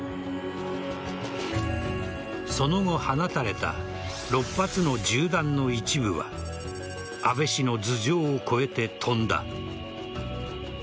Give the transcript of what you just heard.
その後、放たれた６発の銃弾の一部は安倍氏の頭上を越えて、飛んだ。